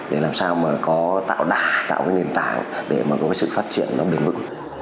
để làm sao mà có tạo đà tạo nền tảng để có sự phát triển bình mực